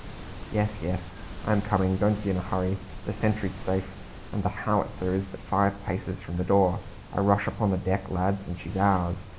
"Yes, yes. I'm coming; don't be in a hurry. The sentry's safe, and the howitzer is but five paces from the door. A rush upon deck, lads, and she's ours!